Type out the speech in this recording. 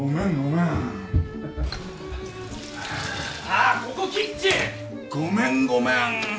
あここキッチン！ごめんごめん。